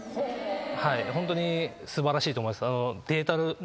ホントに素晴らしいと思います。